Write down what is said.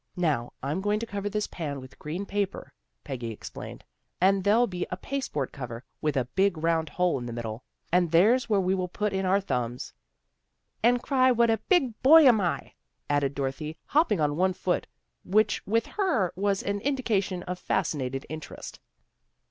" Now I'm going to cover this pan with green paper," Peggy explained. " And there'll be a paste board cover, with a big round hole in the middle, and there's where we will put in our thumbs." "And cry what a big boy'm I," added Dorothy, hopping on one foot, which with her was an indication of fascinated interest.